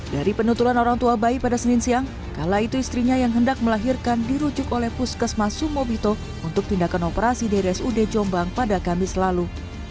dari penuturan orang tua bayi pada senin siang kala itu istrinya yang hendak melahirkan dirujuk oleh puskesmas sumobito untuk tindakan operasi di rsud jombang pada kamis lalu